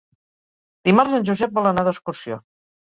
Dimarts en Josep vol anar d'excursió.